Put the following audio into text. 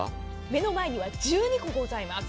目の前には１２個ございます。